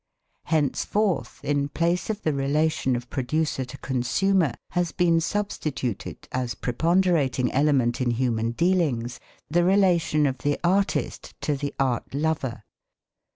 Henceforth in place of the relation of producer to consumer has been substituted, as preponderating element in human dealings, the relation of the artist to the art lover.